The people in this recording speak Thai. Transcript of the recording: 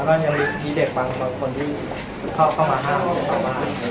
ตอนนั้นทุกคนก็งั้นตกใหญ่